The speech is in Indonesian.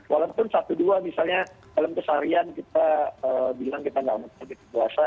walaupun satu dua misalnya dalam kesahian kita bilang kita gak mau pergi ke puasa